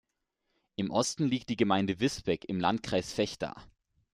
Im Osten liegt die Gemeinde Visbek im Landkreis Vechta.